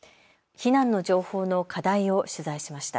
避難の情報の課題を取材しました。